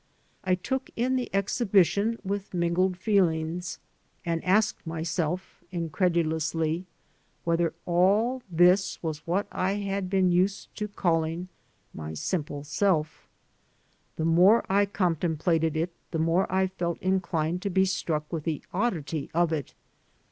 I took in the exhibition with mingled feelings, and asked myself incredulously whether all this was what I had been used to calling my simple self. The more I contemplated it the more I felt inclined to be struck with the oddity of it.